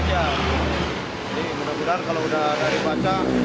jadi mudah mudahan kalau udah dari baca